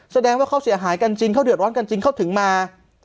แสดงว่าเขาเสียหายกันจริงเขาเดือดร้อนกันจริงเขาถึงมา